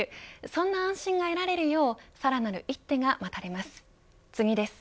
そんな安心が得られるようさらなる一手が待たれます。